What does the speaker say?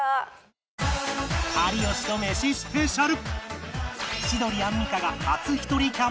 「有吉とメシ」スペシャル